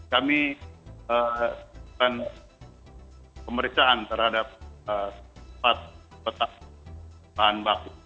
kami pemeriksaan terhadap bahan baku